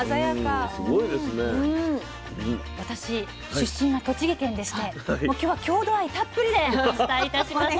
私出身は栃木県でしてもう今日は郷土愛たっぷりでお伝えいたします。